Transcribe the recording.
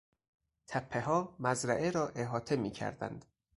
تپهها مزرعه را احاطه میکردند.